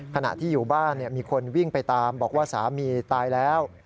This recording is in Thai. ขณะที่อยู่บ้านมีคนวิ่งไปตามบอกว่าสามีตายแล้ว